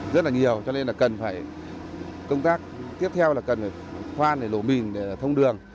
rất là nhiều cho nên là cần phải công tác tiếp theo là cần phải khoan để lộ mình để thông đường